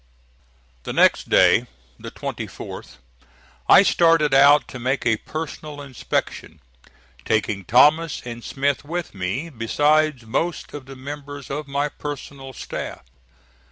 The next day, the 24th, I started out to make a personal inspection, taking Thomas and Smith with me, besides most of the members of my personal staff.